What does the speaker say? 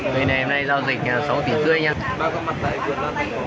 đây là một cuộc giao dịch khác tại một tiên thủy tỉnh hòa bình